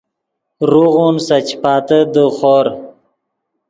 روغون سے چیاتے دے خور